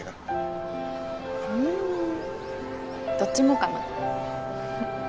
うんどっちもかな。